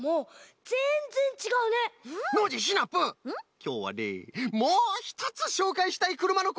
きょうはねもうひとつしょうかいしたいくるまのこうさくがあるんじゃ。